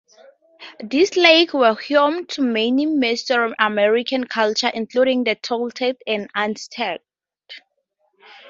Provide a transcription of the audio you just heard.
These lakes were home to many Mesoamerican cultures including the Toltecs and the Aztecs.